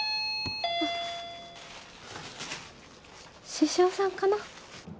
獅子王さんかな？